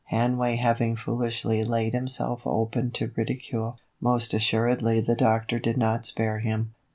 Hanway having foolishly laid himself open to ridicule, most assuredly the Doctor did not spare him.